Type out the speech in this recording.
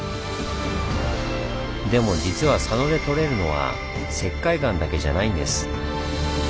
でも実は佐野でとれるのは石灰岩だけじゃないんです。